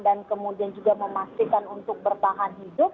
dan kemudian juga memastikan untuk bertahan